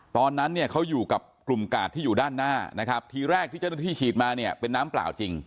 ตอนนั้นเนี่ยเขาอยู่กับกลุ่มกาดที่อยู่ด้านหน้านะครับทีแรกที่เจ้าหน้าที่ฉีดมาเนี่ยเป็นน้ำเปล่าจริง